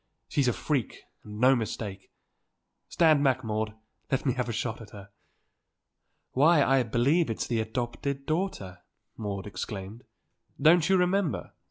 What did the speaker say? She's a freak and no mistake! Stand back, Maude, and let me have a shot at her." "Why, I believe it's the adopted daughter!" Maude exclaimed. "Don't you remember.